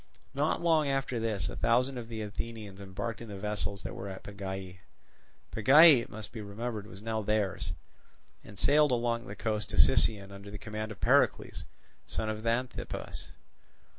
Not long after this a thousand of the Athenians embarked in the vessels that were at Pegae (Pegae, it must be remembered, was now theirs), and sailed along the coast to Sicyon under the command of Pericles, son of Xanthippus.